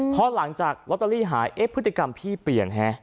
เพราะหลังจากลอตเตอรี่หายเอ๊ะพฤติกรรมพี่เปลี่ยนฮะ